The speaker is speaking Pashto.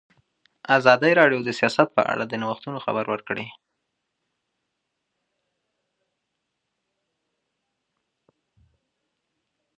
ازادي راډیو د سیاست په اړه د نوښتونو خبر ورکړی.